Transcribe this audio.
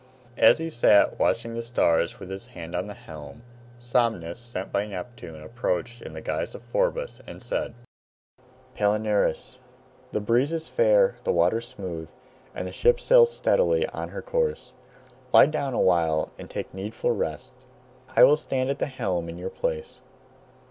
As he sat watching the stars, with his hand on the helm, Somnus sent by Neptune approached in the guise of Phorbas and said: "Palinurus, the breeze is fair, the water smooth, and the ship sails steadily on her course. Lie down awhile and take needful rest. I will stand at the helm in your place."